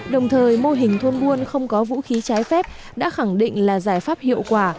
đồng thời mô hình thôn buôn không có vũ khí trái phép đã khẳng định là giải pháp hiệu quả